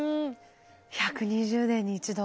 １２０年に一度。